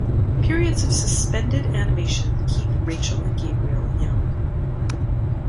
Periods of suspended animation keep Rachel and Gabriel young.